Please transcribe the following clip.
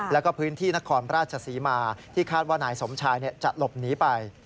แล้วก็พื้นที่นครราชศรีมาที่คาดว่านายสมชายจะหลบหนีไป